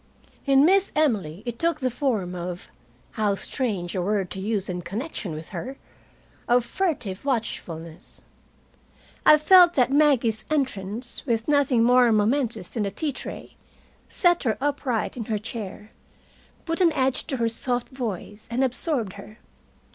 In Miss Emily, it took the form of how strange a word to use in connection with her! of furtive watchfulness. I felt that Maggie's entrance, with nothing more momentous than the tea tray, set her upright in her chair, put an edge to her soft voice, and absorbed her.